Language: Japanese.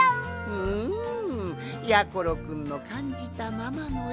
うんやころくんのかんじたままのえ